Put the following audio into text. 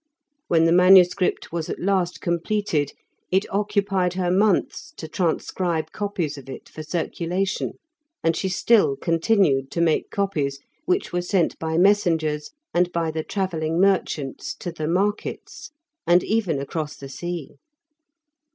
When the manuscript was at last completed it occupied her months to transcribe copies of it for circulation; and she still continued to make copies, which were sent by messengers and by the travelling merchants to the markets, and even across the sea.